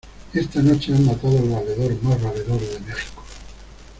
¡ esta noche han matado al valedor más valedor de México!